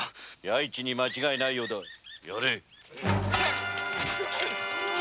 弥市に間違いないようだやれ！